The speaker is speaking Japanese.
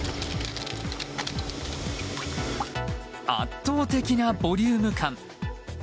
圧倒的なボリューム感。